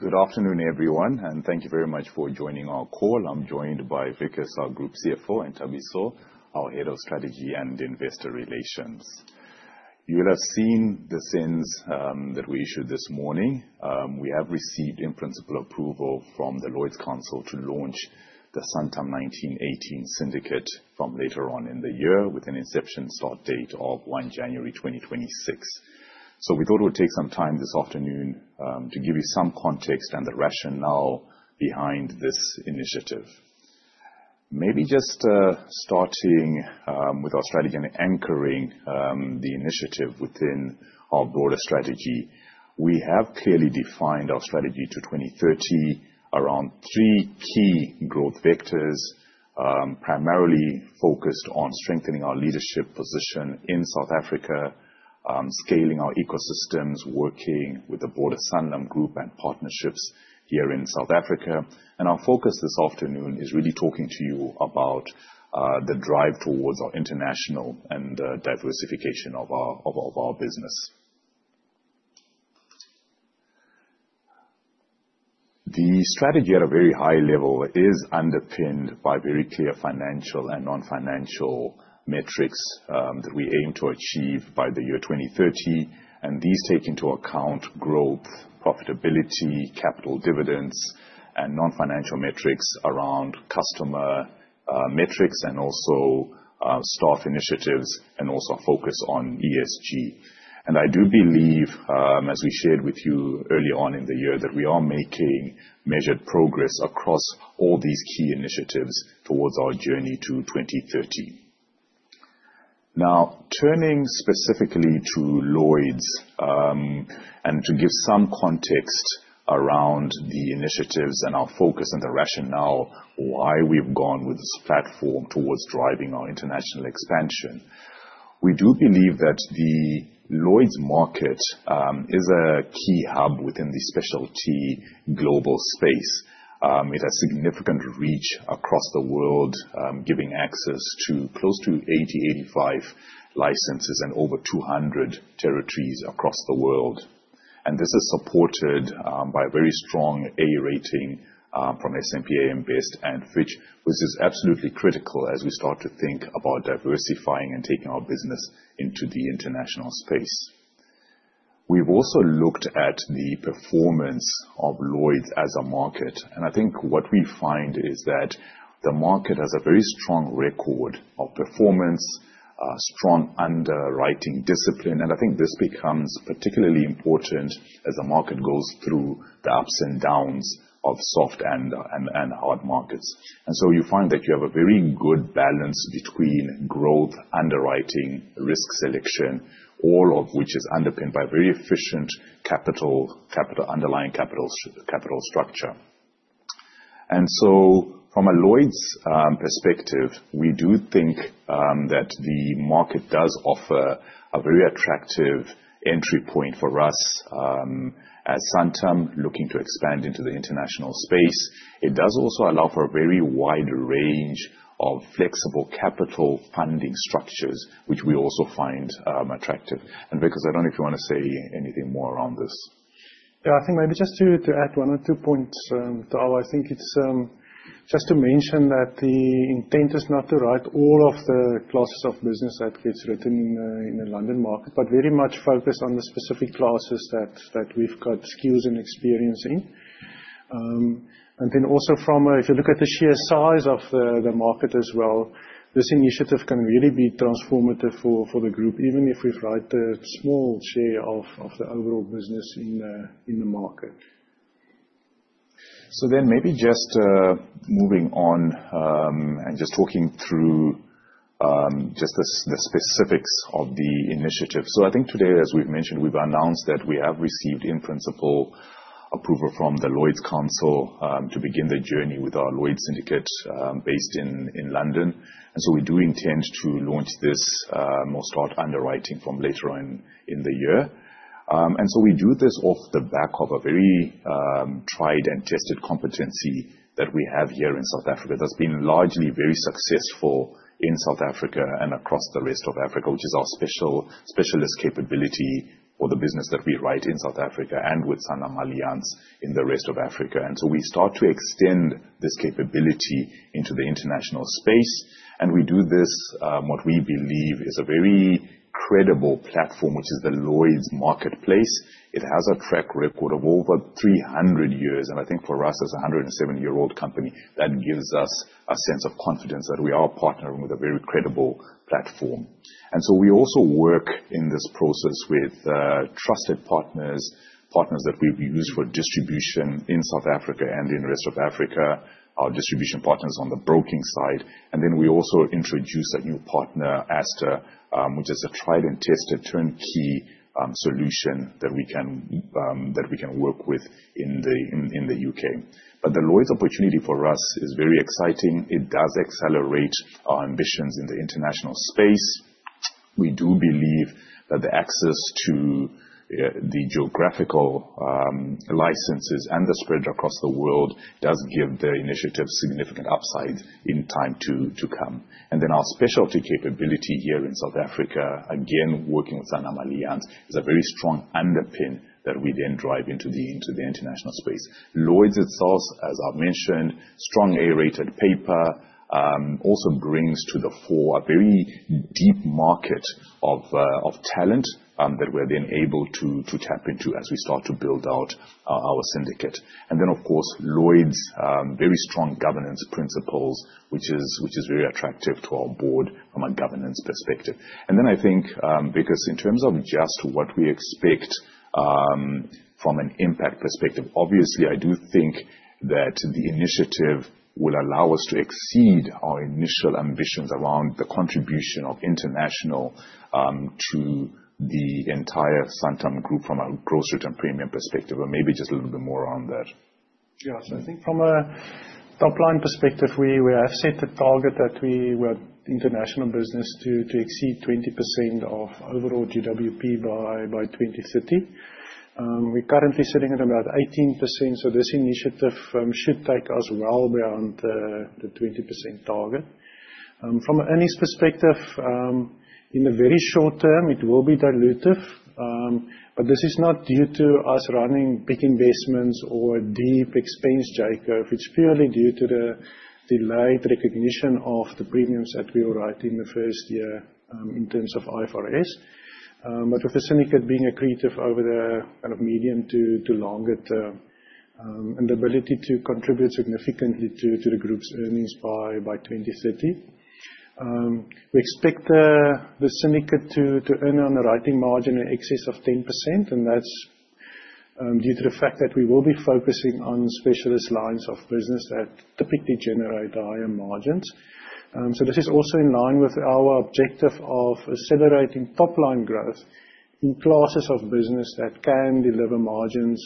Good afternoon, everyone, and thank you very much for joining our call. I'm joined by Wicus, our Group CFO, and Thabiso, our Head of Strategy and Investor Relations. You will have seen the SENS that we issued this morning. We have received in-principle approval from the Council of Lloyd's to launch the Santam Syndicate 1918 from later on in the year with an inception start date of January 1, 2026. We thought we'd take some time this afternoon to give you some context and the rationale behind this initiative. Maybe just starting with our strategy, and anchoring the initiative within our broader strategy. We have clearly defined our strategy to 2030 around three key growth vectors, primarily focused on strengthening our leadership position in South Africa, scaling our ecosystems, working with the broader Santam Group, and partnerships here in South Africa. Our focus this afternoon is really talking to you about the drive towards our international, and diversification of our business. The strategy at a very high level is underpinned by very clear financial, and non-financial metrics that we aim to achieve by the year 2030. These take into account growth, profitability, capital dividends and non-financial metrics around customer metrics, and also staff initiatives, and also focus on ESG. I do believe, as we shared with you early on in the year, that we are making measured progress across all these key initiatives towards our journey to 2030. Now, turning specifically to Lloyd's, and to give some context around the initiatives and our focus, and the rationale why we've gone with this platform towards driving our international expansion. We do believe that the Lloyd's market, is a key hub within the specialty global space, with a significant reach across the world, giving access to close to 80, 85 licenses and over 200 territories across the world. This is supported, by a very strong A rating, from S&P and AM Best and Fitch, which is absolutely critical as we start to think about diversifying, and taking our business into the international space. We've also looked at the performance of Lloyd's as a market, and I think what we find is that the market has a very strong record of performance, strong underwriting discipline. I think this becomes particularly important as the market goes through the ups and downs of soft and hard markets. You find that you have a very good balance between growth, underwriting, risk selection, all of which is underpinned by very efficient underlying capital structure. From a Lloyd's perspective, we do think that the market does offer a very attractive entry point for us at Santam looking to expand into the international space. It does also allow for a very wide range of flexible capital funding structures, which we also find attractive. Wicus, I don't know if you wanna say anything more on this. I think maybe just to add 1 or 2 points, Tava. I think it's just to mention that the intent is not to write all of the classes of business that gets written in the London market, but very much focused on the specific classes that we've got skills and experience in. Also from a, if you look at the sheer size of the market as well, this initiative can really be transformative for the Group, even if we write a small share of the overall business in the market. Maybe just moving on and just talking through just the specifics of the initiative. I think today, as we've mentioned, we've announced that we have received in-principle approval from the Lloyd's Council to begin the journey with our Lloyd's syndicate based in London. We do intend to launch this more start underwriting from later on in the year. We do this off the back of a very tried, and tested competency that we have here in South Africa that's been largely very successful in South Africa and across the rest of Africa, which is our specialist capability for the business that we write in South Africa and with SanlamAllianz in the rest of Africa. We start to extend this capability into the international space, and we do this, what we believe is a very credible platform, which is the Lloyd's marketplace. It has a track record of over 300 years. I think for us, as a 107-year-old company, that gives us a sense of confidence that we are partnering with a very credible platform. We also work in this process with trusted partners that we've used for distribution in South Africa, and in the rest of Africa, our distribution partners on the broking side. We also introduce a new partner, Asta, which is a tried and tested turnkey solution that we can work with in the UK. The Lloyd's opportunity for us is very exciting. It does accelerate our ambitions in the international space. We do believe that the access to the geographical licenses, and the spread across the world does give the initiative significant upside in time to come. Our specialty capability here in South Africa, again, working with SanlamAllianz, is a very strong underpin that we then drive into the international space. Lloyd's itself, as I've mentioned, strong A-rated paper, also brings to the fore a very deep market of talent that we're then able to tap into as we start to build out our syndicate. Of course, Lloyd's, very strong governance principles, which is very attractive to our board from a governance perspective. I think, because in terms of just what we expect, from an impact perspective, obviously I do think that the initiative will allow us to exceed our initial ambitions around the contribution of international, to the entire Santam Group from a gross written premium perspective. Just a little bit more on that. I think from a top-line perspective, we have set a target that we want international business to exceed 20% of overall GWP by 2030. We're currently sitting at about 18%, this initiative should take us well beyond the 20% target. From an earnings perspective, in the very short term, it will be dilutive. This is not due to us running big investments or deep expense J curve, it's purely due to the delayed recognition of the premiums that we write in the first year in terms of IFRS. With the syndicate being accretive over the kind of medium to long term, and the ability to contribute significantly to the group's earnings by 2030. We expect the syndicate to earn on a writing margin in excess of 10%, and that's due to the fact that we will be focusing on specialist lines of business that typically generate higher margins. This is also in line with our objective of accelerating top-line growth in classes of business that can deliver margins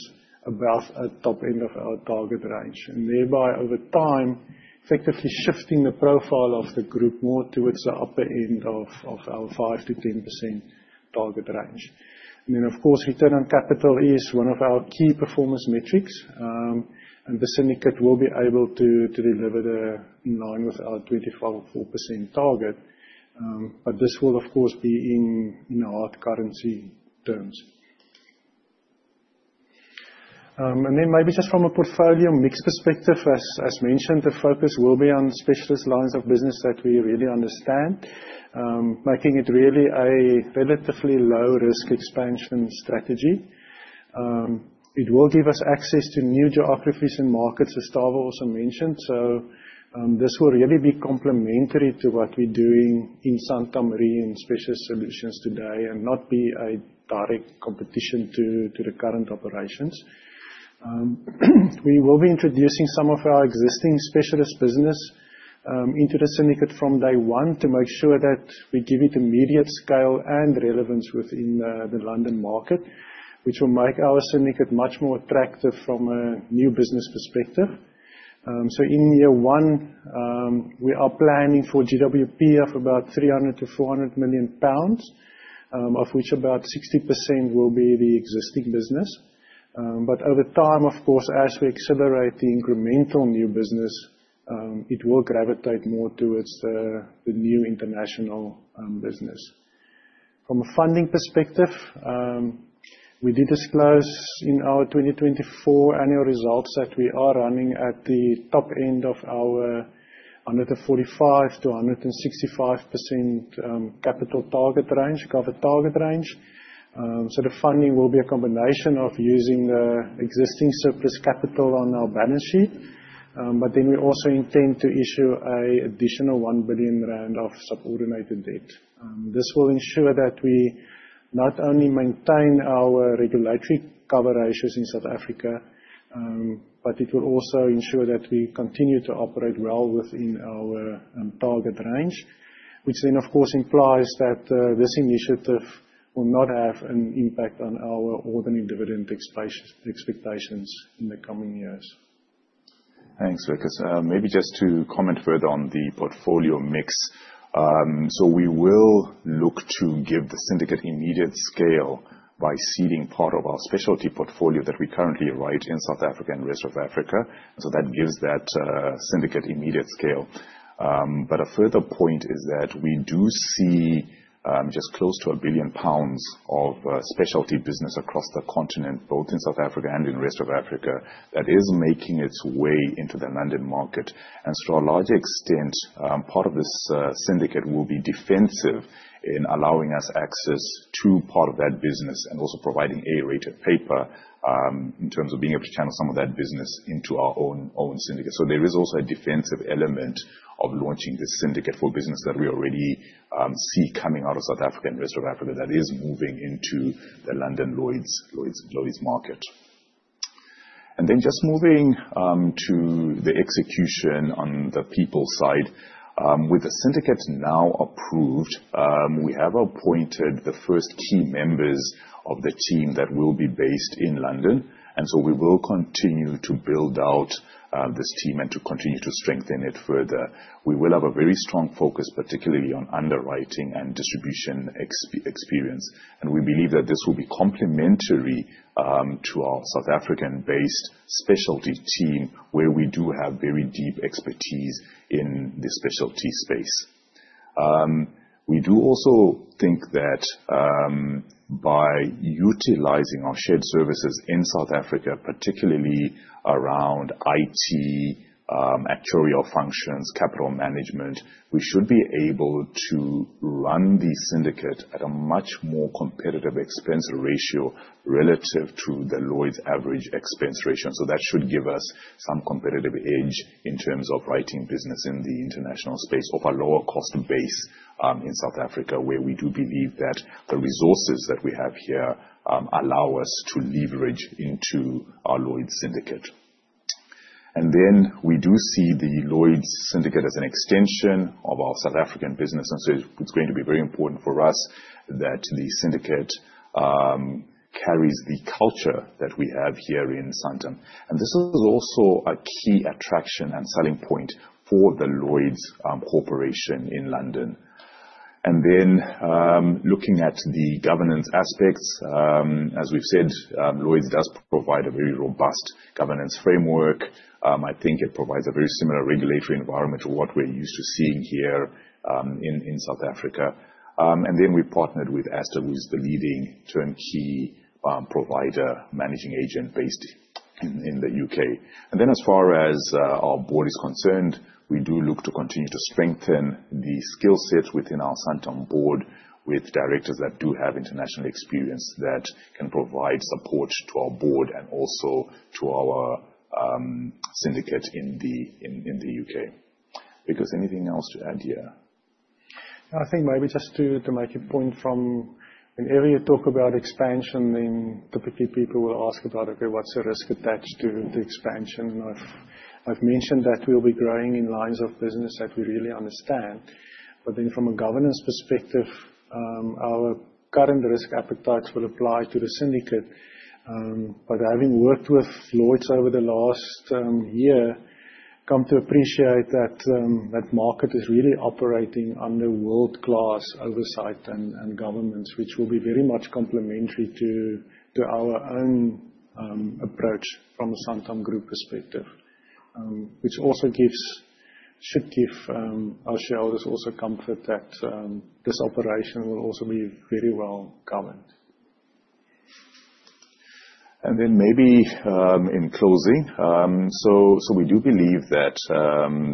above top end of our target range, and thereby, over time, effectively shifting the profile of the group more towards the upper end of our 5%-10% target range. Of course, return on capital is one of our key performance metrics. The syndicate will be able to deliver in line with our 25.4% target. This will of course, be in hard currency terms. Maybe just from a portfolio mix perspective, as mentioned, the focus will be on specialist lines of business that we really understand, making it really a relatively low risk expansion strategy. It will give us access to new geographies and markets, as Thabo also mentioned. This will really be complementary to what we're doing in Santam Re and Specialist Solutions today, and not be a direct competition to the current operations. We will be introducing some of our existing specialist business into the syndicate from day one to make sure that we give it immediate scale and relevance within the London market, which will make our syndicate much more attractive from a new business perspective. In year one, we are planning for GWP of about 300 million-400 million pounds, of which about 60% will be the existing business. Over time, of course, as we accelerate the incremental new business, it will gravitate more towards the new international business. From a funding perspective, we did disclose in our 2024 annual results that we are running at the top end of our 145%-165% capital target range, cover target range. We also intend to issue a additional 1 billion rand of subordinated debt. This will ensure that we not only maintain our regulatory cover ratios in South Africa, but it will also ensure that we continue to operate well within our target range, which then of course implies that this initiative will not have an impact on our ordinary dividend expectations in the coming years. Thanks, Wicus. Maybe just to comment further on the portfolio mix. We will look to give the syndicate immediate scale by ceding part of our specialty portfolio that we currently write in South Africa and rest of Africa. That gives that syndicate immediate scale. But a further point is that we do see just close to 1 billion pounds of specialty business across the continent, both in South Africa and in rest of Africa, that is making its way into the London market. To a large extent, part of this syndicate will be defensive in allowing us access to part of that business and also providing A-rated paper in terms of being able to channel some of that business into our own syndicate. There is also a defensive element of launching this syndicate for business that we already see coming out of South Africa and rest of Africa that is moving into the London Lloyd's market. Just moving the execution on the people side. With the syndicates now approved, we have appointed the first key members of the team that will be based in London. We will continue to build out this team and to continue to strengthen it further. We will have a very strong focus, particularly on underwriting and distribution experience, and we believe that this will be complementary to our South African-based specialty team, where we do have very deep expertise in the specialty space. We do also think that, by utilizing our shared services in South Africa, particularly around IT, actuarial functions, capital management, we should be able to run the syndicate at a much more competitive expense ratio relative to the Lloyd's average expense ratio. That should give us some competitive edge in terms of writing business in the international space off a lower cost base, in South Africa, where we do believe that the resources that we have here, allow us to leverage into our Lloyd's syndicate. We do see the Lloyd's syndicate as an extension of our South African business. It's going to be very important for us that the syndicate carries the culture that we have here in Santam. This is also a key attraction and selling point for the Lloyd's Corporation in London. Looking at the governance aspects, as we've said, Lloyd's does provide a very robust governance framework. I think it provides a very similar regulatory environment to what we're used to seeing here, in South Africa. We partnered with Asta, who's the leading turnkey, provider managing agent based in the U.K. As far as our board is concerned, we do look to continue to strengthen the skill set within our Santam board with directors that do have international experience that can provide support to our board and also to our syndicate in the U.K. Wicus, anything else to add here? I think maybe just to make a point from whenever you talk about expansion, then typically people will ask about, "Okay, what's the risk attached to the expansion?" I've mentioned that we'll be growing in lines of business that we really understand. From a governance perspective, our current risk appetite will apply to the syndicate. Having worked with Lloyd's over the last year, come to appreciate that market is really operating under world-class oversight and governance, which will be very much complementary to our own approach from a Santam Group perspective. Which also gives, should give, our shareholders also comfort that this operation will also be very well governed. Maybe, in closing, we do believe that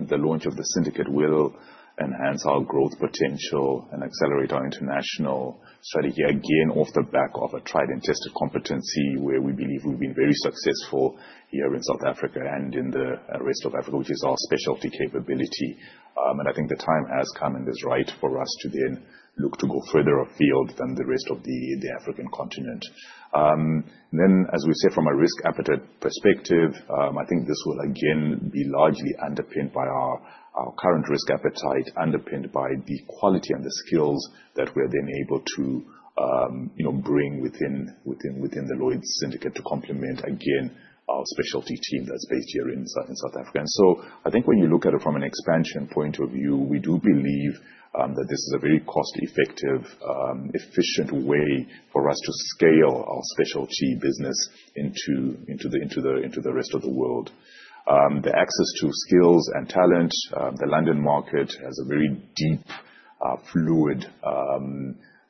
the launch of the syndicate will enhance our growth potential and accelerate our international strategy, again, off the back of a tried and tested competency where we believe we've been very successful here in South Africa and in the rest of Africa, which is our specialty capability. I think the time has come and is right for us to then look to go further afield than the rest of the African continent. As we said from a risk appetite perspective, I think this will again be largely underpinned by our current risk appetite, underpinned by the quality and the skills that we're then able to, you know, bring within the Lloyd's syndicate to complement, again, our specialty team that's based here in South Africa. I think when you look at it from an expansion point of view, we do believe that this is a very cost-effective, efficient way for us to scale our specialty business into the rest of the world. The access to skills and talent, the London market has a very deep, fluid,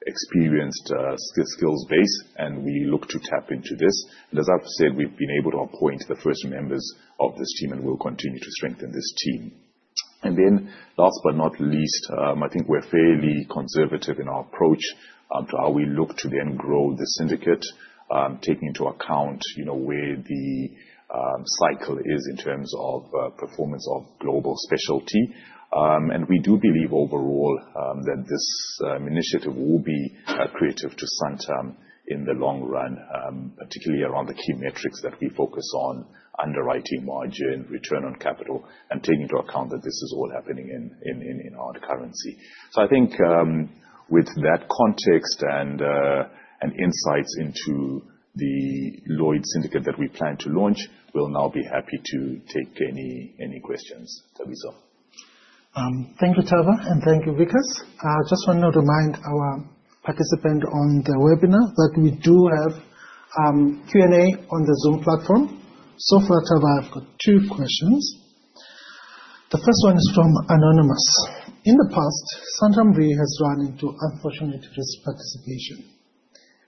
experienced skills base, and we look to tap into this. As I've said, we've been able to appoint the first members of this team, and will continue to strengthen this team. Last but not least, I think we're fairly conservative in our approach to how we look to then grow the syndicate, taking into account, you know, where the cycle is in terms of performance of global specialty. And we do believe overall that this initiative will be creative to Santam in the long run, particularly around the key metrics that we focus on, underwriting margin, return on capital, and taking into account that this is all happening in hard currency. I think with that context and insights into the Lloyd's syndicate that we plan to launch, we'll now be happy to take any questions. Thabiso? Thank you, Tava, and thank you, Wicas. I just want to remind our participant on the webinar that we do have Q&A on the Zoom platform. So far, Tava, I've got two questions. The first one is from anonymous. In the past, Santam Re has run into unfortunate risk participation.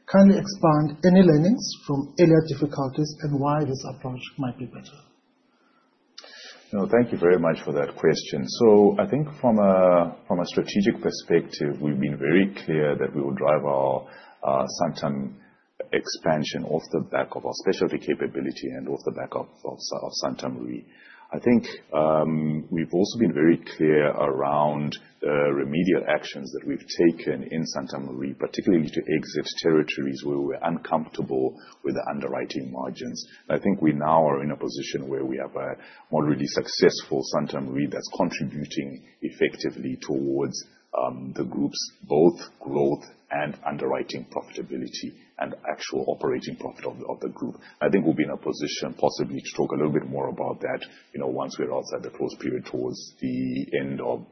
Can you expand any learnings from earlier difficulties and why this approach might be better? Thank you very much for that question. I think from a strategic perspective, we've been very clear that we will drive our Santam Re expansion off the back of our specialty capability and off the back of Santam Re. I think we've also been very clear around remedial actions that we've taken in Santam Re, particularly to exit territories where we're uncomfortable with the underwriting margins. I think we now are in a position where we have a more really successful Santam Re that's contributing effectively towards the group's both growth and underwriting profitability and actual operating profit of the group. I think we'll be in a position possibly to talk a little bit more about that, you know, once we're outside the close period towards the end of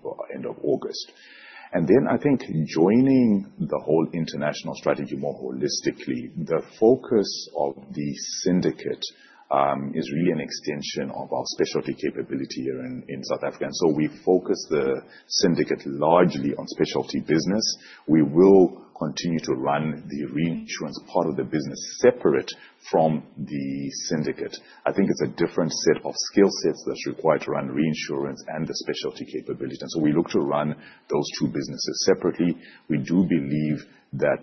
August. I think joining the whole international strategy more holistically, the focus of the syndicate is really an extension of our specialty capability here in South Africa. We focus the syndicate largely on specialty business. We will continue to run the reinsurance part of the business separate from the syndicate. It's a different set of skill sets that's required to run reinsurance and the specialty capability. We look to run those two businesses separately. We do believe that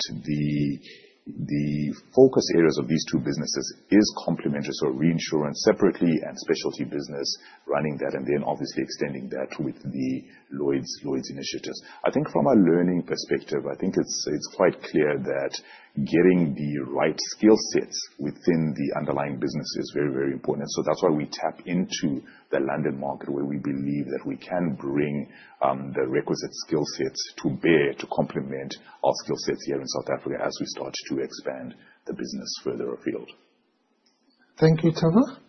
the focus areas of these two businesses is complementary, so reinsurance separately and specialty business, running that and then obviously extending that with the Lloyd's initiatives. From a learning perspective, I think it's quite clear that getting the right skill sets within the underlying business is very, very important. That's why we tap into the London market where we believe that we can bring, the requisite skill sets to bear to complement our skill sets here in South Africa as we start to expand the business further afield. Thank you, Tava.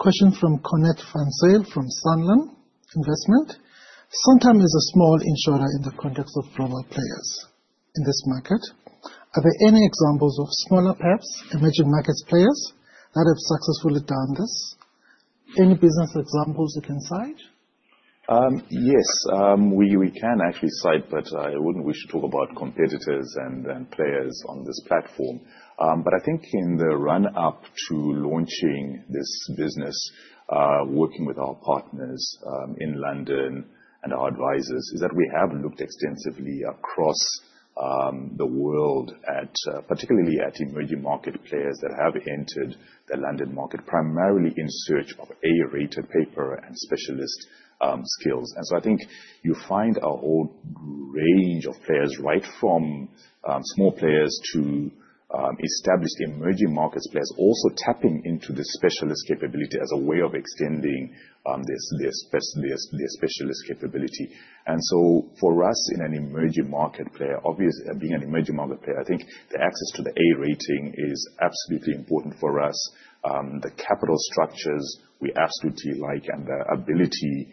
Question from Cornette van Zyl from Sanlam Investments. Santam is a small insurer in the context of global players in this market. Are there any examples of smaller, perhaps emerging markets players that have successfully done this? Any business examples you can cite? Yes. We can actually cite, but I wouldn't wish to talk about competitors and players on this platform. I think in the run-up to launching this business, working with our partners, in London and our advisors, is that we have looked extensively across the world at particularly at emerging market players that have entered the London market, primarily in search of A-rated paper and specialist skills. I think you find a whole range of players, right from small players to established emerging markets players also tapping into the specialist capability as a way of extending their specialist capability. For us in an emerging market player, being an emerging market player, I think the access to the A rating is absolutely important for us. The capital structures we absolutely like, and the ability to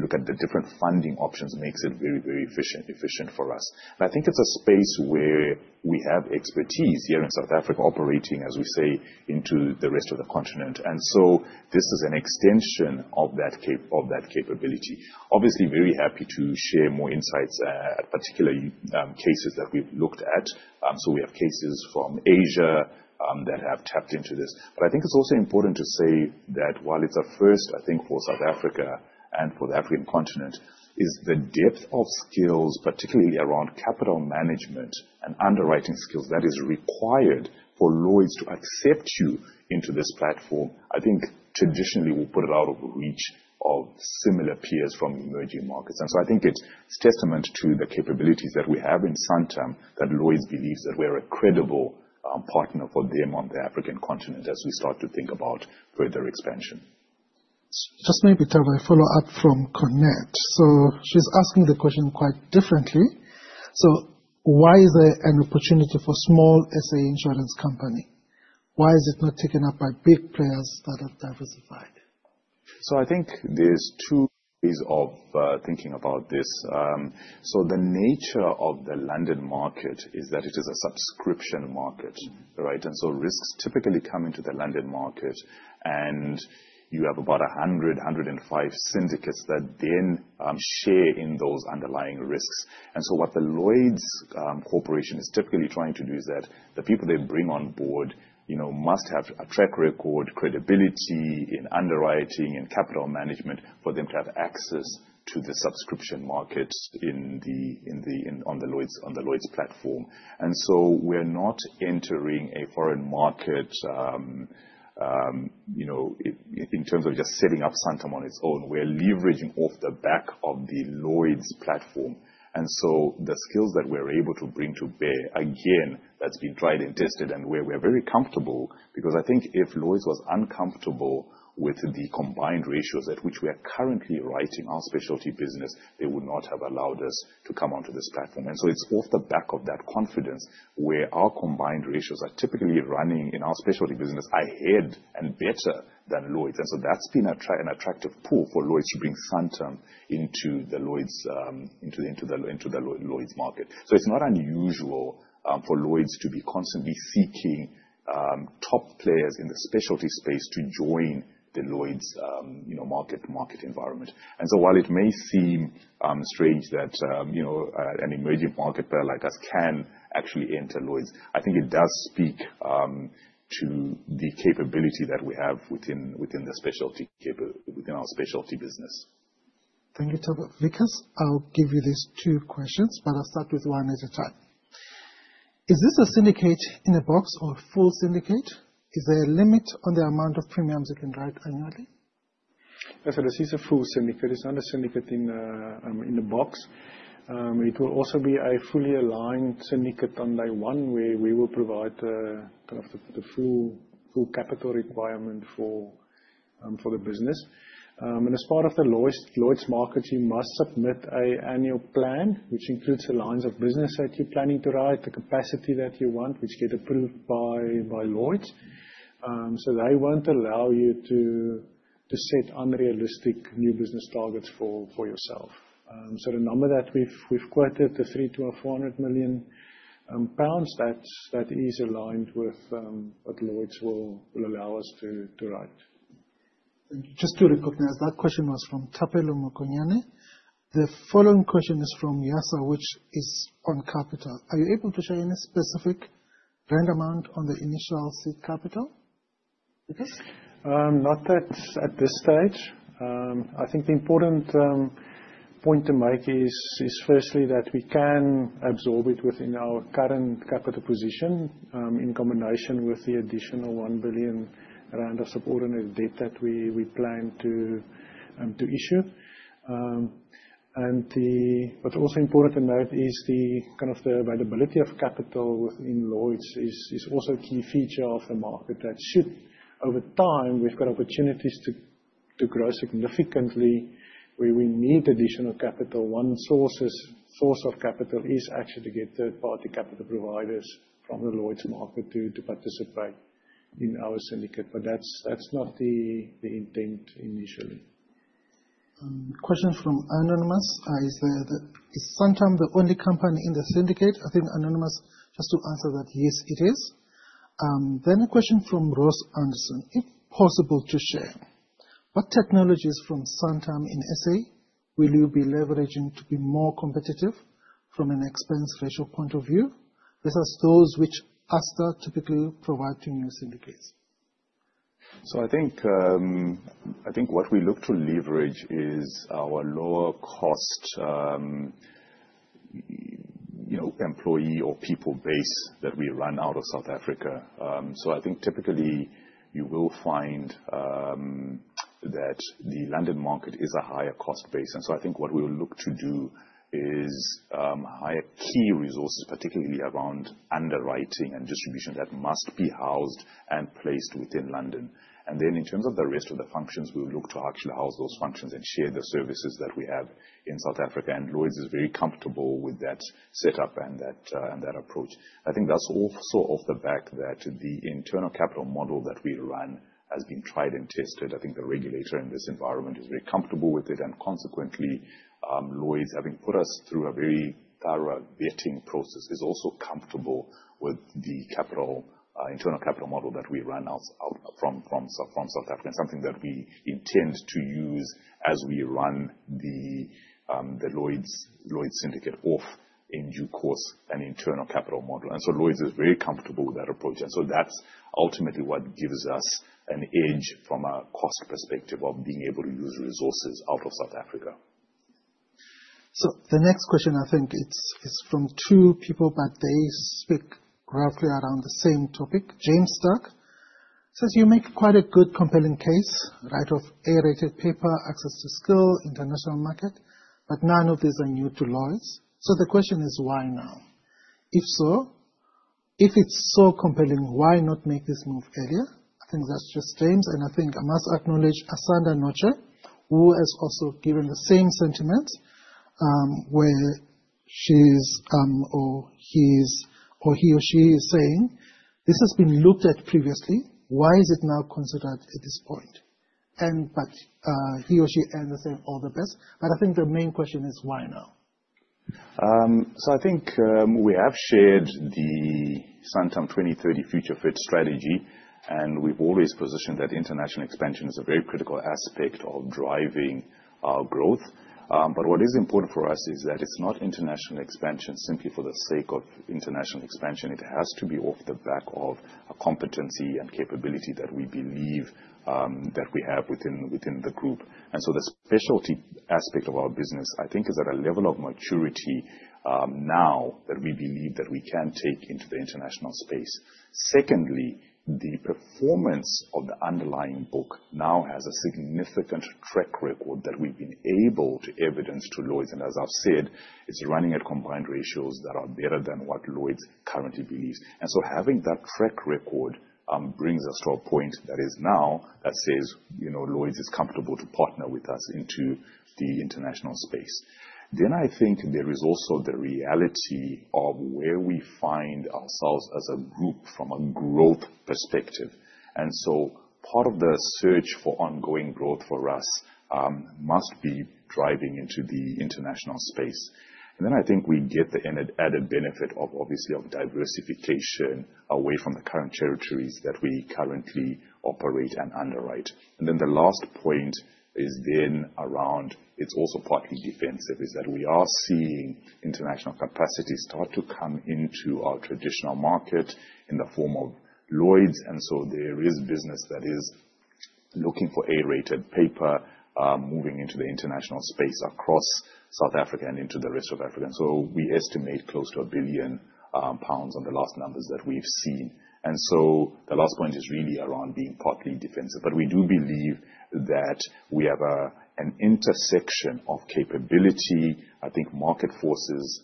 look at the different funding options makes it very, very efficient for us. I think it's a space where we have expertise here in South Africa, operating, as we say, into the rest of the continent, this is an extension of that capability. Obviously, very happy to share more insights at particular cases that we've looked at. We have cases from Asia that have tapped into this. I think it's also important to say that while it's a first, I think, for South Africa and for the African continent, is the depth of skills, particularly around capital management and underwriting skills that is required for Lloyd's to accept you into this platform, I think traditionally will put it out of the reach of similar peers from emerging markets. I think it's testament to the capabilities that we have in Santam that Lloyd's believes that we're a credible partner for them on the African continent as we start to think about further expansion. Just maybe, Tava, a follow-up from Cornette. She's asking the question quite differently. Why is there an opportunity for small SA insurance company? Why is it not taken up by big players that have diversified? I think there's two ways of thinking about this. The nature of the London market is that it is a subscription market, right? Risks typically come into the London market, and you have about 100, 105 syndicates that then share in those underlying risks. What the Lloyd's Corporation is typically trying to do is that the people they bring on board, you know, must have a track record, credibility in underwriting and capital management for them to have access to the subscription markets on the Lloyd's platform. We're not entering a foreign market, you know, in terms of just setting up Santam on its own. We're leveraging off the back of the Lloyd's platform. The skills that we're able to bring to bear, again, that's been tried and tested, and we're very comfortable because I think if Lloyd's was uncomfortable with the combined ratios at which we are currently writing our specialty business, they would not have allowed us to come onto this platform. It's off the back of that confidence, where our combined ratios are typically running in our specialty business ahead, and better than Lloyd's. That's been an attractive pull for Lloyd's to bring Santam into the Lloyd's market. It's not unusual for Lloyd's to be constantly seeking top players in the specialty space to join the Lloyd's, you know, market environment. While it may seem strange that, you know, an emerging market player like us can actually enter Lloyd's, I think it does speak to the capability that we have within our specialty business. Thank you, Tava. Wicas, I'll give you these two questions. I'll start with one at a time. Is this a syndicate in a box or a full syndicate? Is there a limit on the amount of premiums you can write annually? Yes, this is a full syndicate. It's not a Syndicate in a box. It will also be a fully aligned syndicate on day one, where we will provide the kind of the full capital requirement for the business. As part of the Lloyd's markets, you must submit a annual plan, which includes the lines of business that you're planning to write, the capacity that you want, which get approved by Lloyd's. They won't allow you to set unrealistic new business targets for yourself. The number that we've quoted, the 300 million-400 million pounds, that is aligned with what Lloyd's will allow us to write. Just to recognize, that question was from Thapelo Mokonyane. The following question is from Yasser, which is on capital. Are you able to share any specific rand amount on the initial seed capital? Wicas? Not at this stage. I think the important point to make is firstly that we can absorb it within our current capital position in combination with the additional 1 billion rand of subordinated debt that we plan to issue. What's also important to note is the kind of the availability of capital within Lloyd's is also a key feature of the market that should, over time, we've got opportunities to grow significantly where we need additional capital. One source of capital is actually to get third-party capital providers from the Lloyd's market to participate in our syndicate, but that's not the intent initially. Question from anonymous. Is Santam the only company in the syndicate? I think anonymous has to answer that. Yes, it is. A question from Ross Anderson. If possible, to share what technologies from Santam in SA will you be leveraging to be more competitive from an expense ratio point of view, versus those which Asta typically provide to new syndicates? I think, I think what we look to leverage is our lower cost, you know, employee or people base that we run out of South Africa. I think typically you will find that the London market is a higher cost base. I think what we'll look to do is hire key resources, particularly around underwriting and distribution, that must be housed and placed within London. In terms of the rest of the functions, we'll look to actually house those functions and share the services that we have in South Africa. Lloyd's is very comfortable with that setup and that and that approach. I think that's also off the back that the internal capital model that we run has been tried and tested. I think the regulator in this environment is very comfortable with it. Consequently, Lloyd's, having put us through a very thorough vetting process, is also comfortable with the capital, internal capital model that we run out from South Africa, and something that we intend to use as we run the Lloyd's syndicate off in due course, an internal capital model. Lloyd's is very comfortable with that approach. That's ultimately what gives us an edge from a cost perspective of being able to use resources out of South Africa. The next question I think it is from two people, but they speak roughly around the same topic. James Stark says, "You make quite a good compelling case, right, with A-rated paper, access to skill, international market, but none of these are new to Lloyd's. The question is, why now? If so, if it's so compelling, why not make this move earlier?" I think that's just James. I think I must acknowledge Asanda Notshe, who has also given the same sentiment, where she's or he's or he or she is saying, "This has been looked at previously. Why is it now considered at this point?" He or she ends the same, "All the best." I think the main question is why now? I think, we have shared the Santam FutureFit 2030 strategy, and we've always positioned that international expansion is a very critical aspect of driving our growth. What is important for us is that it's not international expansion simply for the sake of international expansion. It has to be off the back of a competency and capability that we believe, that we have within the group. The specialty aspect of our business, I think, is at a level of maturity, now that we believe that we can take into the international space. Secondly, the performance of the underlying book now has a significant track record that we've been able to evidence to Lloyd's, and as I've said, it's running at combined ratios that are better than what Lloyd's currently believes. Having that track record, brings us to a point that is now, that says, you know, Lloyd's is comfortable to partner with us into the international space. I think there is also the reality of where we find ourselves as a group from a growth perspective. Part of the search for ongoing growth for us, must be driving into the international space. I think we get the added benefit of obviously of diversification away from the current territories that we currently operate, and underwrite. The last point is around, it's also partly defensive, is that we are seeing international capacity start to come into our traditional market in the form of Lloyd's, there is business Looking for A-rated paper, moving into the international space across South Africa and into the rest of Africa. We estimate close to 1 billion pounds on the last numbers that we've seen. The last point is really around being partly defensive. We do believe that we have a, an intersection of capability. I think market forces,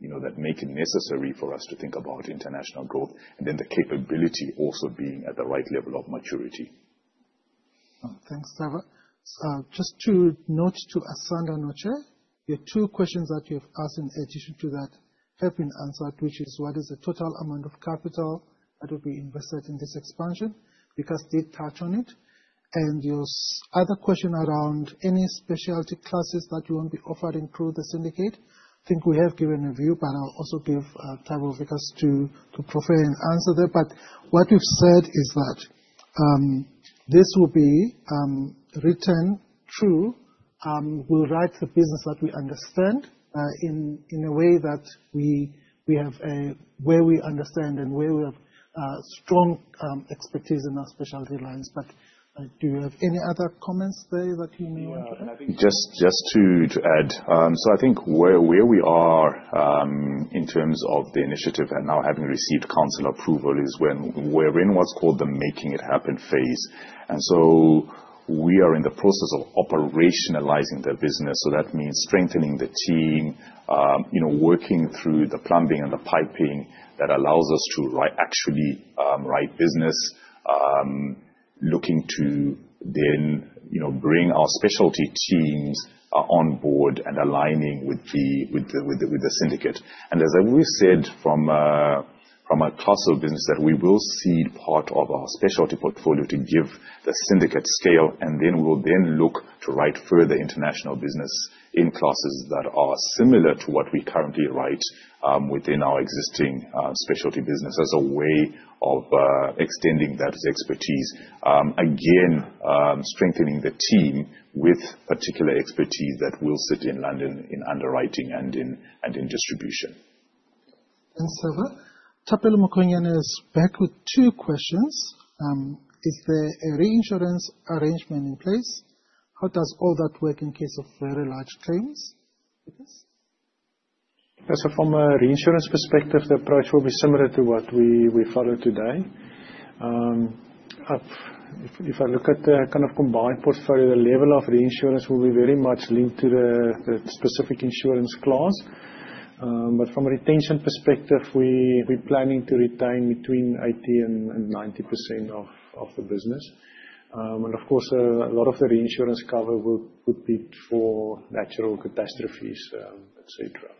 you know, that make it necessary for us to think about international growth, and then the capability also being at the right level of maturity. Thanks, Tava. Just to note to Asanda Notche, the two questions that you have asked in addition to that have been answered, which is what is the total amount of capital that will be invested in this expansion? Did touch on it, and your other question around any specialty classes that you want to be offered through the syndicate. I think we have given a view, I'll also give Thabiso Vickers to proffer an answer there. What you've said is that this will be written through, we'll write the business that we understand in a way that where we understand and where we have strong expertise in our specialty lines. Do you have any other comments there that you may want to add? Yeah. I think just to add. I think where we are in terms of the initiative and now having received Council approval is when we're in what's called the making it happen phase. We are in the process of operationalizing the business. That means strengthening the team, you know, working through the plumbing and the piping that allows us to write, actually, write business, looking to then, you know, bring our specialty teams on board and aligning with the syndicate. As I said, from a, from a class of business that we will cede part of our specialty portfolio to give the syndicate scale, and then we'll then look to write further international business in classes that are similar to what we currently write, within our existing specialty business as a way of extending that expertise. Again, strengthening the team with particular expertise that will sit in London in underwriting and in, and in distribution. Tava, Thapelo Mokonyane is back with two questions. Is there a reinsurance arrangement in place? How does all that work in case of very large claims? Yes. From a reinsurance perspective, the approach will be similar to what we follow today. If I look at the kind of combined portfolio, the level of reinsurance will be very much linked to the specific insurance class. From a retention perspective, we're planning to retain between 80% and 90% of the business. Of course, a lot of the reinsurance cover will be for natural catastrophes, et cetera.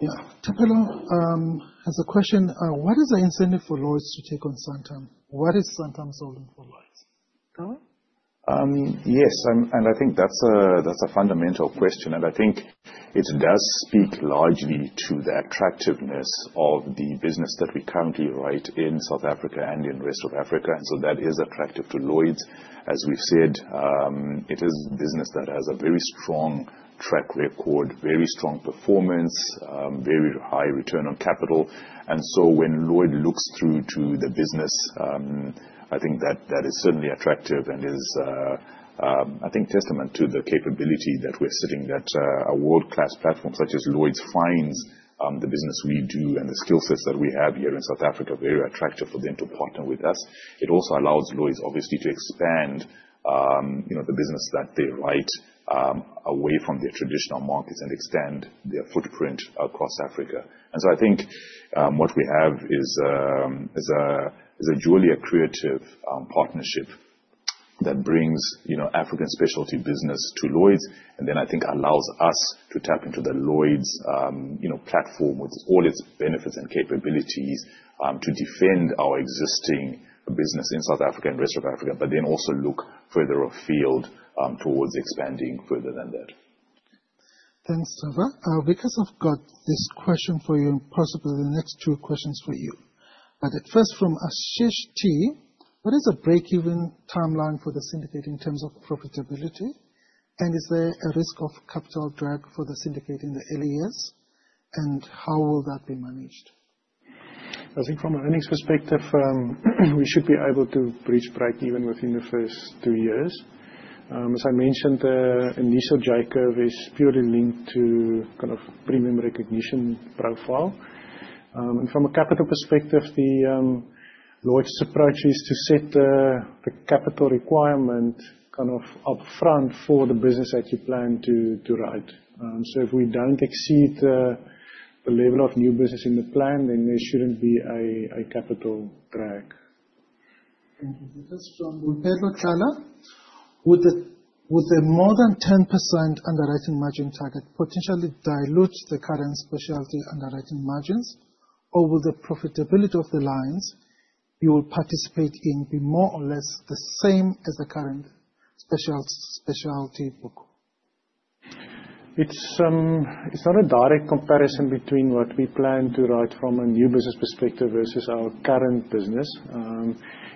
Yeah. Thapelo has a question. What is the incentive for Lloyd's to take on Santam? What is Santam solving for Lloyd's? Go on. Yes, and I think that's a fundamental question. I think it does speak largely to the attractiveness of the business that we currently write in South Africa and in rest of Africa. That is attractive to Lloyd's. As we've said, it is business that has a very strong track record, very strong performance, very high return on capital. When Lloyd's looks through to the business, I think that is certainly attractive and is I think testament to the capability that we're sitting that a world-class platform such as Lloyd's finds the business we do and the skill sets that we have here in South Africa very attractive for them to partner with us. It also allows Lloyd's obviously to expand, you know, the business that they write, away from their traditional markets and extend their footprint across Africa. I think, what we have is a, is a truly a creative, partnership that brings, you know, African specialty business to Lloyd's, I think allows us to tap into the Lloyd's, you know, platform with all its benefits and capabilities, to defend our existing business in South Africa and rest of Africa, also look further afield, towards expanding further than that. Thanks, Tava. I've got this question for you and possibly the next two questions for you. At first from Ashish T, "What is the break-even timeline for the syndicate in terms of profitability? And is there a risk of capital drag for the syndicate in the early years? And how will that be managed? I think from an earnings perspective, we should be able to reach break-even within the first two years. As I mentioned, the initial J curve is purely linked to kind of premium recognition profile. From a capital perspective, the Lloyd's approach is to set the capital requirement kind of upfront for the business that you plan to write. If we don't exceed the level of new business in the plan, then there shouldn't be a capital drag. Thank you. This from Pedro Tlala: "Would the more than 10% underwriting margin target potentially dilute the current specialty underwriting margins? Will the profitability of the lines you will participate in be more or less the same as the current specialty book? It's not a direct comparison between what we plan to write from a new business perspective versus our current business.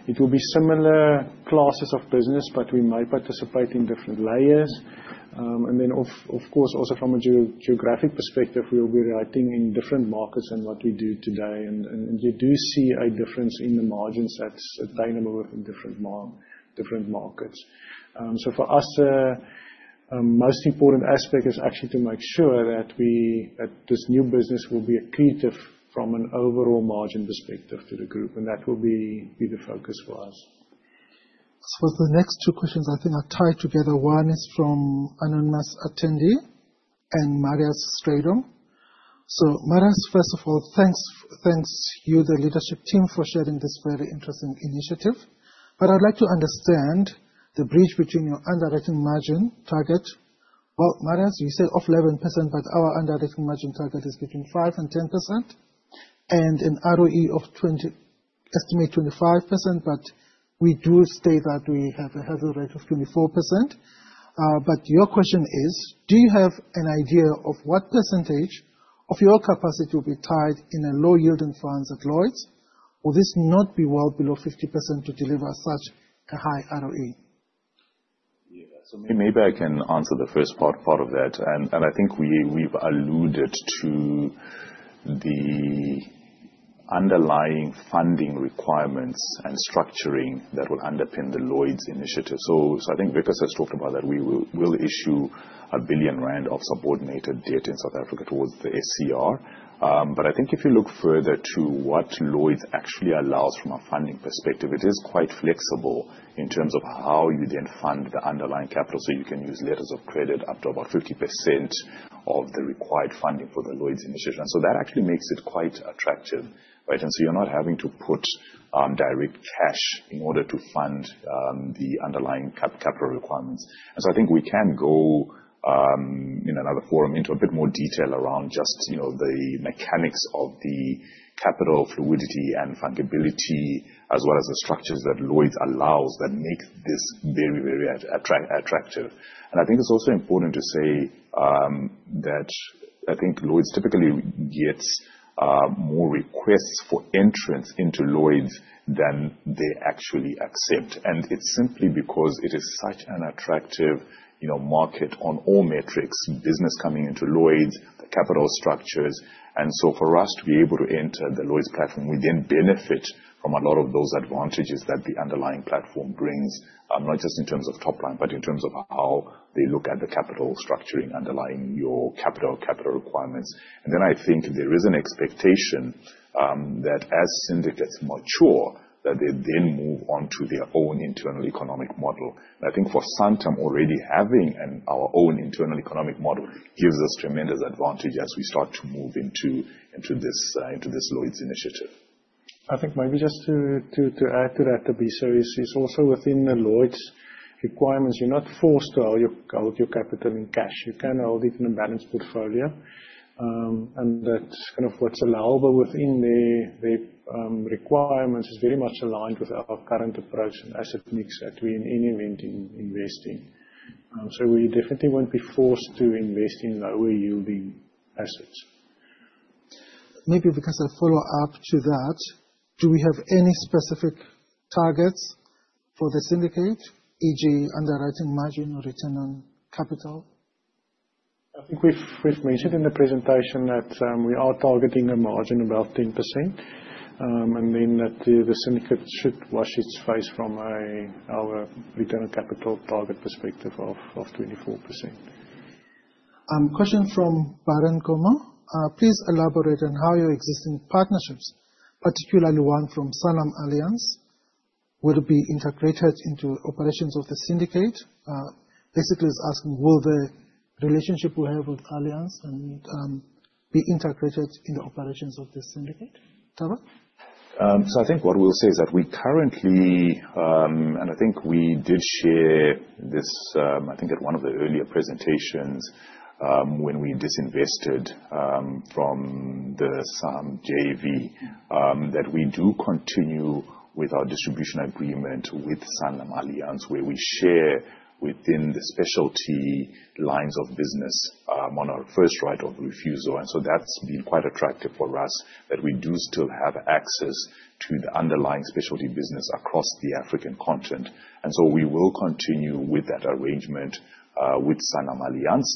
It will be similar classes of business, but we may participate in different layers. Then of course, also from a geo-geographic perspective, we will be writing in different markets than what we do today. You do see a difference in the margins that's attainable from different markets. For us, most important aspect is actually to make sure that this new business will be accretive from an overall margin perspective to the group, and that will be the focus for us. The next two questions I think are tied together. One is from anonymous attendee and Marius Strydom. Marius, first of all, thanks to you, the leadership team, for sharing this very interesting initiative. I'd like to understand the bridge between your underwriting margin target. Well, Marius, you said of 11%, but our underwriting margin target is between 5% and 10%. An ROE of estimate 25%. We do state that we have a hurdle rate of 24%. Your question is: Do you have an idea of what % of your capacity will be tied in a low yield and funds at Lloyd's? Will this not be well below 50% to deliver such a high ROE? Yeah. Maybe I can answer the first part of that. I think we've alluded to the underlying funding requirements and structuring that will underpin the Lloyd's initiative. I think Wicus has talked about that we'll issue 1 billion rand of subordinated debt in South Africa towards the SCR. I think if you look further to what Lloyd's actually allows from a funding perspective, it is quite flexible in terms of how you then fund the underlying capital. You can use letters of credit up to about 50% of the required funding for the Lloyd's initiative. That actually makes it quite attractive, right? You're not having to put direct cash in order to fund the underlying capital requirements. I think we can go in another forum into a bit more detail around just, you know, the mechanics of the capital fluidity and fungibility, as well as the structures that Lloyd's allows that make this very, very attractive. I think it's also important to say that I think Lloyd's typically gets more requests for entrance into Lloyd's than they actually accept. It's simply because it is such an attractive, you know, market on all metrics, business coming into Lloyd's, the capital structures. For us to be able to enter the Lloyd's platform, we then benefit from a lot of those advantages that the underlying platform brings, not just in terms of top line, but in terms of how they look at the capital structuring underlying your capital requirements. I think there is an expectation that as syndicates mature, that they then move on to their own internal economic model. I think for Santam already having our own internal economic model gives us tremendous advantage as we start to move into this Lloyd's initiative. I think maybe just to add to that, Thabiso, is also within the Lloyd's requirements, you're not forced to hold your capital in cash. You can hold it in a balanced portfolio. That's kind of what's allowable within their requirements. It's very much aligned with our current approach and asset mix that we in any event in investing. We definitely won't be forced to invest in lower yielding assets. Maybe, Wicus, a follow-up to that. Do we have any specific targets for the syndicate, e.g., underwriting margin or return on capital? I think we've mentioned in the presentation that we are targeting a margin about 10%. That the syndicate should wash its face from our return on capital target perspective of 24%. Question from Varun Goma. Please elaborate on how your existing partnerships, particularly one from SanlamAllianz, will be integrated into operations of the syndicate. Basically he's asking: Will the relationship we have with Allianz be integrated in the operations of this syndicate? Thabiso? I think what we'll say is that we currently. I think we did share this, I think at one of the earlier presentations, when we disinvested from the SanlamAllianz JV, that we do continue with our distribution agreement with SanlamAllianz, where we share within the specialty lines of business on our first right of refusal. That's been quite attractive for us that we do still have access to the underlying specialty business across the African continent. We will continue with that arrangement with SanlamAllianz.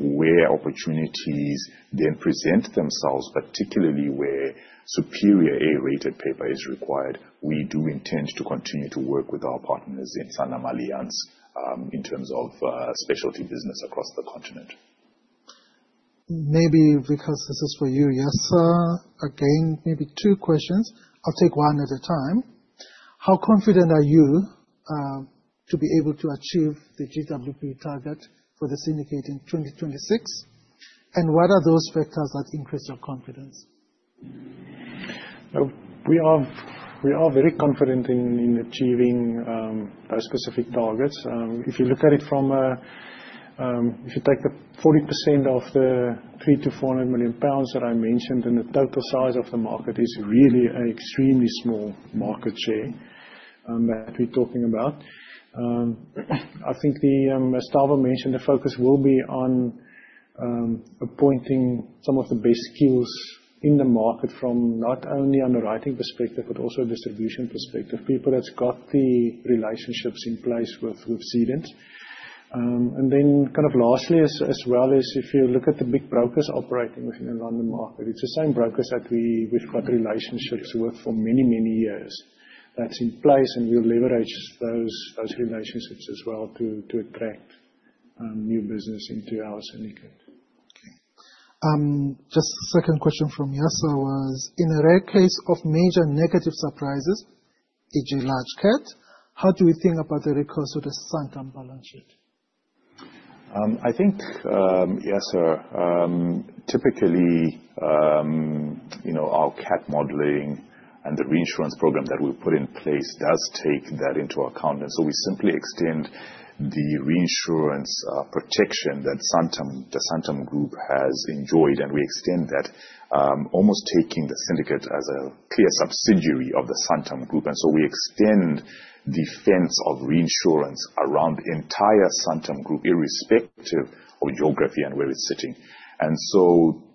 Where opportunities then present themselves, particularly where superior A-rated paper is required, we do intend to continue to work with our partners in SanlamAllianz, in terms of specialty business across the continent. Maybe, Wicus, this is for you. Yes, sir. Again, maybe two questions. I'll take one at a time. How confident are you to be able to achieve the GWP target for the syndicate in 2026? What are those factors that increase your confidence? We are very confident in achieving those specific targets. If you look at it from a, if you take the 40% of the 300 million-400 million pounds that I mentioned, and the total size of the market is really an extremely small market share that we're talking about. I think, as Tava mentioned, the focus will be on appointing some of the best skills in the market from not only an underwriting perspective, but also a distribution perspective. People that's got the relationships in place with cedants. Kind of lastly as well is if you look at the big brokers operating within the London market, it's the same brokers that we've got relationships with for many, many years that's in place, and we'll leverage those relationships as well to attract new business into our syndicate. Okay. Just a second question from Yasser was: In a rare case of major negative surprises, e.g., large CAT, how do we think about the recourse with the Santam balance sheet? I think, Yasser, typically, you know, our CAT modeling, and the reinsurance program that we've put in place does take that into account. We simply extend the reinsurance protection that Santam, the Santam Group has enjoyed, we extend that, almost taking the syndicate as a clear subsidiary of the Santam Group. We extend the fence of reinsurance around the entire Santam Group, irrespective of geography and where it's sitting.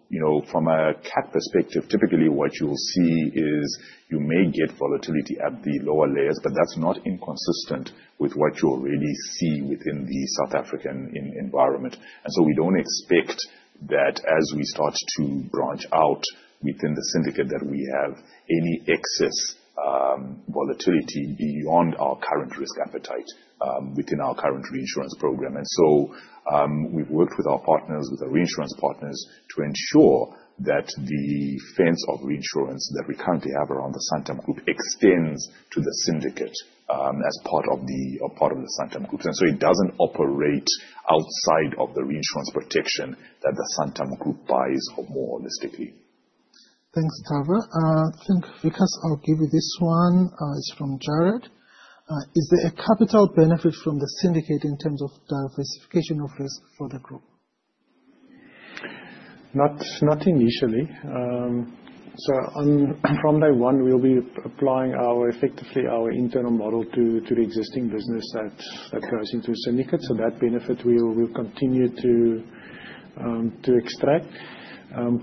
You know, from a CAT perspective, typically what you'll see is you may get volatility at the lower layers, but that's not inconsistent with what you already see within the South African environment. We don't expect that as we start to branch out within the syndicate, that we have any excess volatility beyond our current risk appetite, within our current reinsurance program. We've worked with our partners, with our reinsurance partners, to ensure that the fence of reinsurance that we currently have around the Santam Group extends to the syndicate, as part of the Santam Group. It doesn't operate outside of the reinsurance protection that the Santam Group buys more holistically. Thanks, Tava. I think, Ricus, I'll give you this one. It's from Jared. Is there a capital benefit from the syndicate in terms of diversification of risk for the group? Nothing initially. From day one, we'll be applying effectively our internal model to the existing business that goes into syndicate. That benefit we will continue to extract.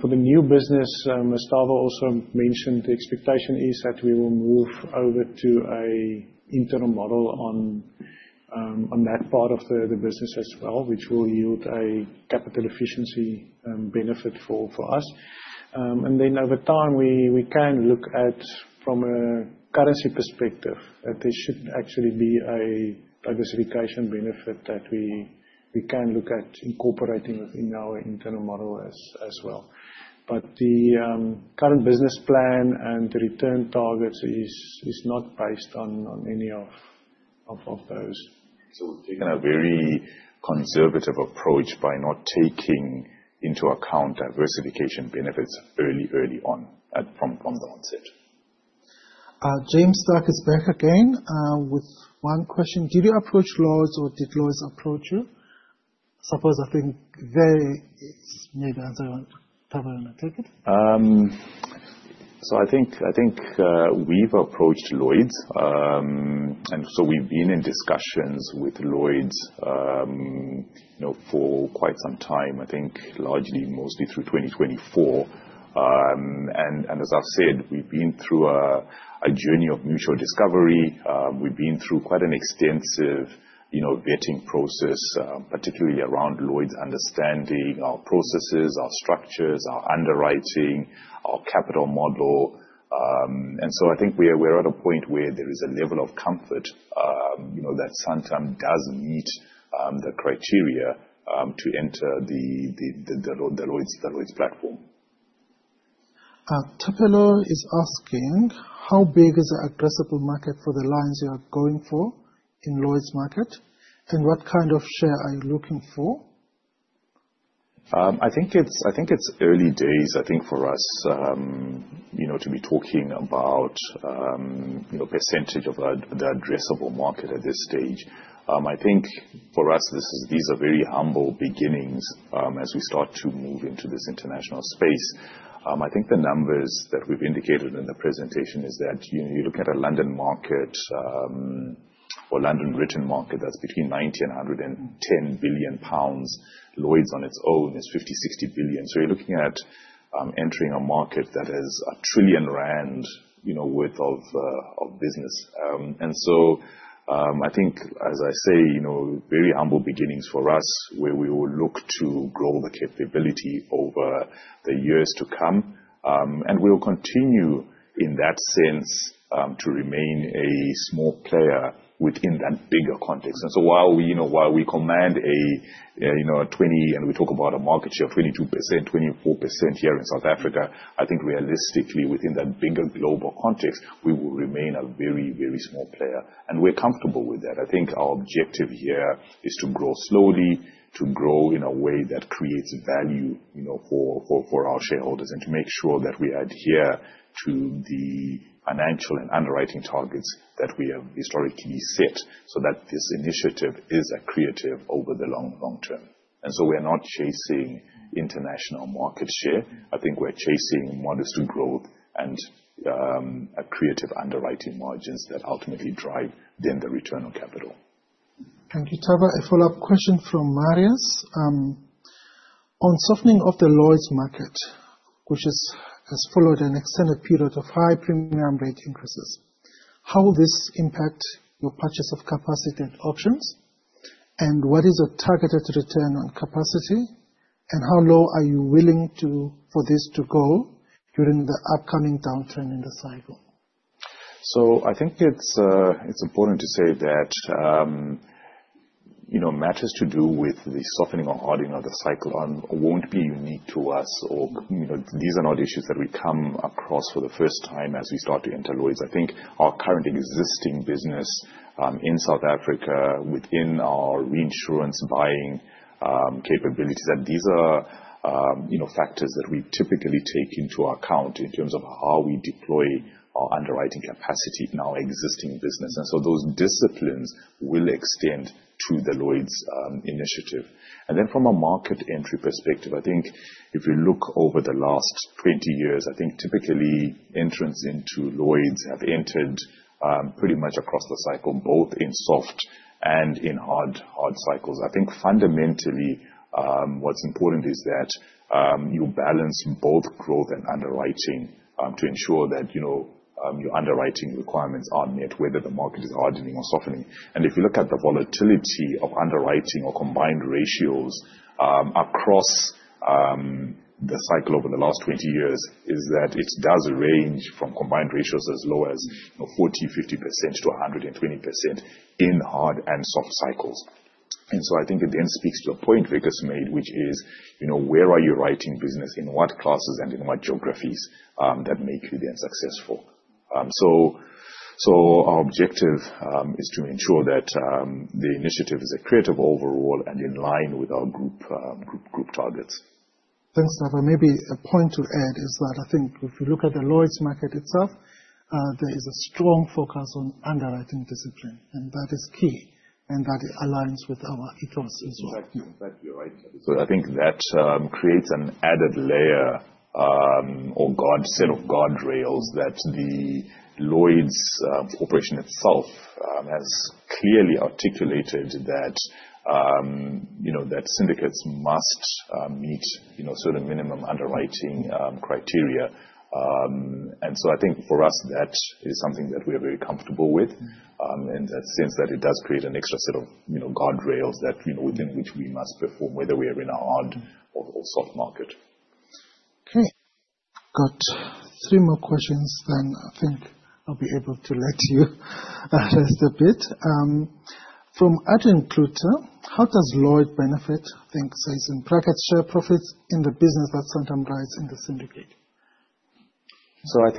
For the new business, as Tava also mentioned, the expectation is that we will move over to a internal model on that part of the business as well, which will yield a capital efficiency benefit for us. Over time, we can look at from a currency perspective, that there should actually be a diversification benefit that we can look at incorporating within our internal model as well. The current business plan and return targets is not based on any of those. We've taken a very conservative approach by not taking into account diversification benefits early on from the onset. James Stark is back again, with one question: Did you approach Lloyd's or did Lloyd's approach you? Maybe, Tava, you wanna take it? I think, we've approached Lloyd's. We've been in discussions with Lloyd's, you know, for quite some time, I think largely, mostly through 2024. As I've said, we've been through a journey of mutual discovery. We've been through quite an extensive, you know, vetting process, particularly around Lloyd's understanding our processes, our structures, our underwriting, our capital model. I think we are, we're at a point where there is a level of comfort, you know, that Santam does meet the criteria to enter the Lloyd's platform. Thapelo is asking: How big is the addressable market for the lines you are going for in Lloyd's market? What kind of share are you looking for? I think it's, I think it's early days, I think, for us, you know, to be talking about, you know, percentage of the addressable market at this stage. I think for us, these are very humble beginnings, as we start to move into this international space. I think the numbers that we've indicated in the presentation is that, you know, you look at a London market, or London written market, that's between 90 billion-110 billion pounds. Lloyd's on its own is 50 billion, 60 billion. You're looking at, entering a market that has 1 trillion rand, you know, worth of business. I think, as I say, you know, very humble beginnings for us, where we will look to grow the capability over the years to come. We'll continue, in that sense, to remain a small player within that bigger context. While we, you know, while we command a market share of 22%, 24% here in South Africa, I think realistically, within that bigger global context, we will remain a very small player. We're comfortable with that. I think our objective here is to grow slowly, to grow in a way that creates value, you know, for our shareholders, and to make sure that we adhere to the financial and underwriting targets that we have historically set, so that this initiative is accretive over the long term. We're not chasing international market share. I think we're chasing modest growth and accretive underwriting margins that ultimately drive then the return on capital. Thank you, Tavaa. On softening of the Lloyd's market, which has followed an extended period of high premium rate increases, how will this impact your purchase of capacity and options, and what is your targeted return on capital, and how low are you willing to, for this to go during the upcoming downturn in the cycle? I think it's important to say that, you know, matters to do with the softening or hardening of the cycle, won't be unique to us or, you know, these are not issues that we come across for the first time as we start to enter Lloyd's. I think our current existing business, in South Africa within our reinsurance buying, capabilities, and these are, you know, factors that we typically take into account in terms of how we deploy our underwriting capacity in our existing business. Those disciplines will extend to the Lloyd's initiative. From a market entry perspective, I think if you look over the last 20 years, I think typically entrants into Lloyd's have entered, pretty much across the cycle, both in soft and in hard cycles. I think fundamentally, what's important is that, you balance both growth, and underwriting, to ensure that, you know, your underwriting requirements are met, whether the market is hardening or softening. If you look at the volatility of underwriting or combined ratios, across the cycle over the last 20 years, is that it does range from combined ratios as low as, you know, 40%, 50% to 120% in hard and soft cycles. I think it then speaks to a point Lucas made, which is, you know, where are you writing business, in what classes and in what geographies, that make you then successful. Our objective, is to ensure that, the initiative is accretive overall and in line with our group targets. Thanks, Savi. Maybe a point to add is that I think if you look at the Lloyd's market itself, there is a strong focus on underwriting discipline, and that is key, and that aligns with our ethos as well. Exactly. Exactly right. I think that creates an added layer, or guard, set of guardrails that the Lloyd's Corporation itself has clearly articulated that, you know, that syndicates must meet, you know, certain minimum underwriting criteria. I think for us that is something that we are very comfortable with, in the sense that it does create an extra set of, you know, guardrails that, you know, within which we must perform, whether we are in a hard or soft market. Okay. Got three more questions then I think I'll be able to let you rest a bit. From Adrian Klute. How does Lloyd's benefit, think, say, in brackets, share profits in the business that Santam writes in the syndicate? I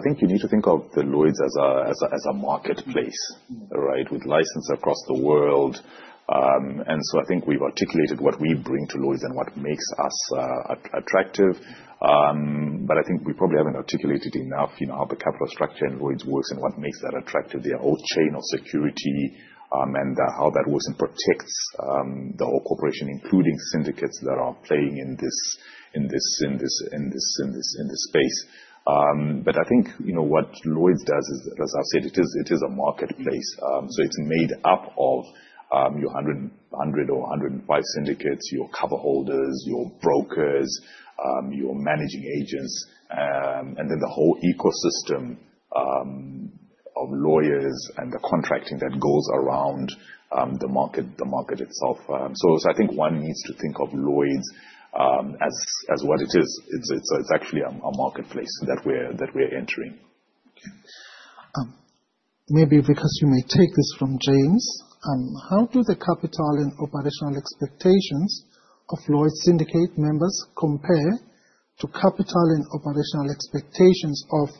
think you need to think of Lloyd's as a marketplace, right? With license across the world. I think we've articulated what we bring to Lloyd's and what makes us attractive. I think we probably haven't articulated enough, you know, how the capital structure in Lloyd's works and what makes that attractive. Their whole Chain of Security and how that works and protects the whole corporation, including syndicates that are playing in this space. I think, you know, what Lloyd's does is, as I've said, it is a marketplace. It's made up of, your 100 or 105 syndicates, your coverholders, your brokers, your managing agents, and then the whole ecosystem of lawyers and the contracting that goes around the market itself. I think one needs to think of Lloyd's as what it is. It's actually a marketplace that we're entering. Maybe because you may take this from James. How do the capital and operational expectations of Lloyd's syndicate members compare to capital and operational expectations of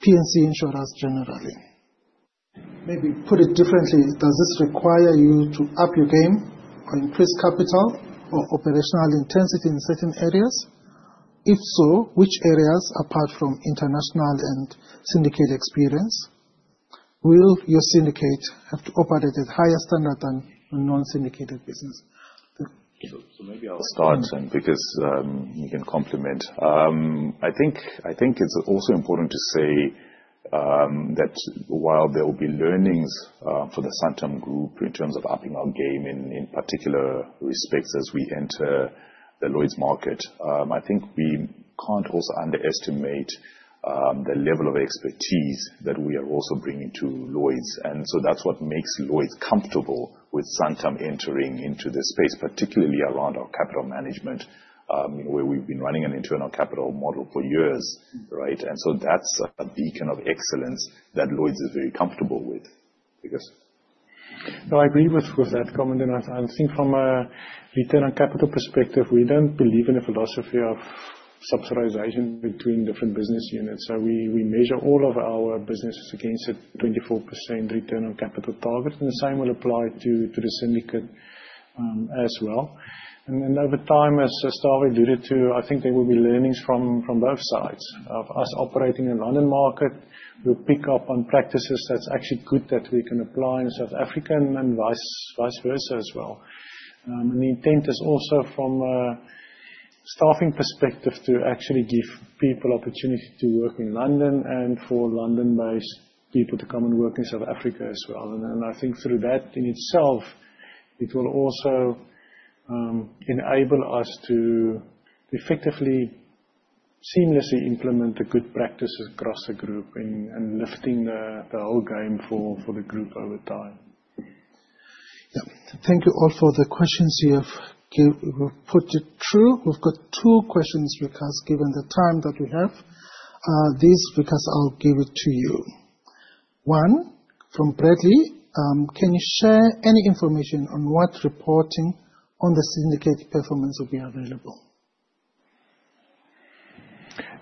P&C insurers generally? Maybe put it differently. Does this require you to up your game on increased capital or operational intensity in certain areas? If so, which areas, apart from international and syndicate experience, will your syndicate have to operate at a higher standard than non-syndicated business? Maybe I'll start, and Lucas, you can complement. I think it's also important to say that while there will be learnings for the Santam Group in terms of upping our game in particular respects as we enter the Lloyd's market, I think we can't also underestimate the level of expertise that we are also bringing to Lloyd's. That's what makes Lloyd's comfortable with Santam entering into this space, particularly around our capital management, where we've been running an internal capital model for years, right? That's a beacon of excellence that Lloyd's is very comfortable with. Lucas. No, I agree with that comment. I think from a return on capital perspective, we don't believe in a philosophy of subsidization between different business units. We measure all of our businesses against a 24% return on capital target, and the same will apply to the syndicate as well. Over time, as Tava alluded to, I think there will be learnings from both sides. Of us operating in London market, we'll pick up on practices that's actually good that we can apply in South Africa and vice versa as well. The intent is also from a staffing perspective to actually give people opportunity to work in London and for London-based people to come and work in South Africa as well. I think through that in itself, it will also enable us to effectively seamlessly implement the good practices across the Group and lifting the whole game for the Group over time. Yeah. Thank you all for the questions you have put it through. We've got two questions, Ricus, given the time that we have. These, Ricus, I'll give it to you. One, from Bradley, can you share any information on what reporting on the syndicate performance will be available?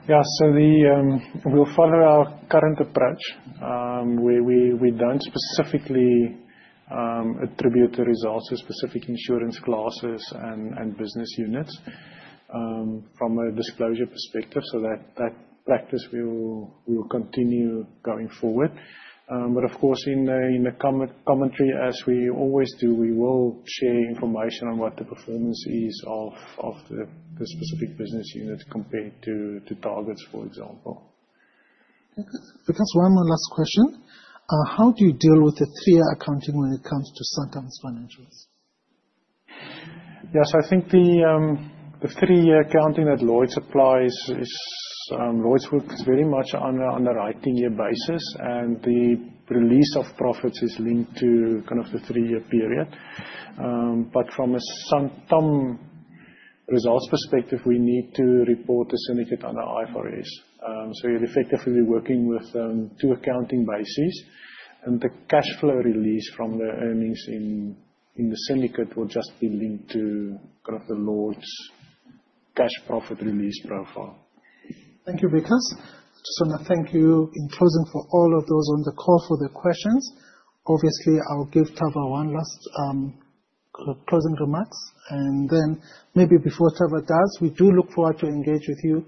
Yeah. The we'll follow our current approach, where we don't specifically attribute the results to specific insurance classes and business units from a disclosure perspective. That practice will continue going forward. Of course, in the commentary, as we always do, we will share information on what the performance is of the specific business unit compared to targets, for example. Okay. Ricus, one more last question. How do you deal with the three-year accounting when it comes to Santam's financials? Yes. I think the three-year accounting that Lloyd's applies is Lloyd's works very much on a writing year basis, and the release of profits is linked to kind of the three-year period. From a Santam results perspective, we need to report the syndicate on IFRS. You're effectively working with two accounting bases, and the cash flow release from the earnings in the syndicate will just be linked to kind of the Lloyd's cash profit release profile. Thank you, Ricus. Just wanna thank you in closing for all of those on the call for the questions. Obviously, I'll give Tava one last closing remarks, and then maybe before Tava does, we do look forward to engage with you,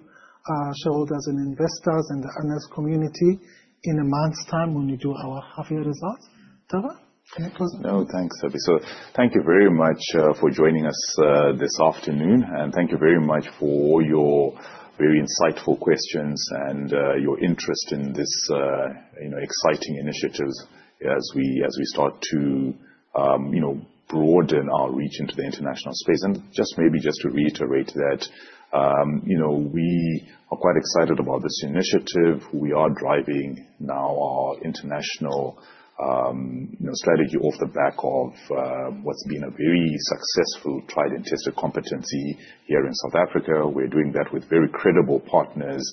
shareholders and investors and the analyst community in a month's time when we do our half year results. Tava, any closing remarks? No, thanks, Sabi. Thank you very much for joining us this afternoon. Thank you very much for your very insightful questions and your interest in this, you know, exciting initiatives as we start to, you know, broaden our reach into the international space. Just maybe just to reiterate that, you know, we are quite excited about this initiative. We are driving now our international, you know, strategy off the back of what's been a very successful tried and tested competency here in South Africa. We're doing that with very credible partners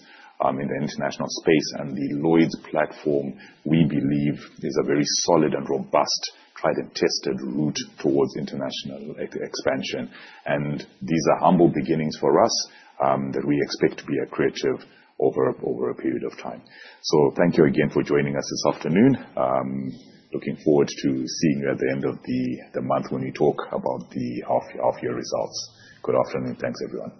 in the international space. The Lloyd's platform, we believe, is a very solid and robust, tried and tested route towards international e-expansion. These are humble beginnings for us that we expect to be accretive over a period of time. Thank you again for joining us this afternoon. Looking forward to seeing you at the end of the month when we talk about the half year results. Good afternoon. Thanks, everyone.